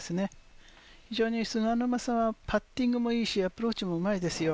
非常に菅沼さんはパッティングもいいしアプローチもうまいですよ。